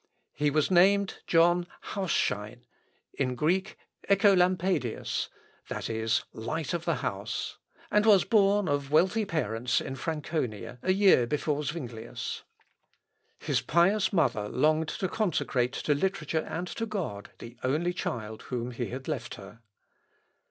He was named John Hausschein, in Greek Œcolampadius, that is, "light of the house," and was born of wealthy parents in Franconia, a year before Zuinglius. His pious mother longed to consecrate to literature and to God the only child whom He had left her.